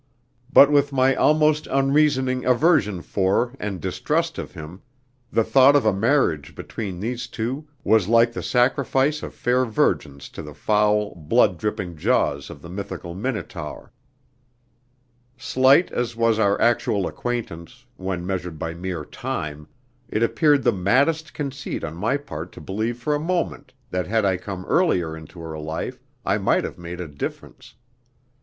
But with my almost unreasoning aversion for and distrust of him, the thought of a marriage between these two was like the sacrifice of fair virgins to the foul, blood dripping jaws of the mythical Minotaur. Slight as was our actual acquaintance, when measured by mere time, it appeared the maddest conceit on my part to believe for a moment that had I come earlier into her life I might have made a difference.